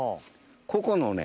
ここのね